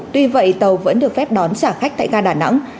tuy vậy tàu vẫn được phép đón trả khách tại ga đà nẵng